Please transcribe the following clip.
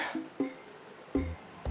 aku harus bersikap sebagai pendidik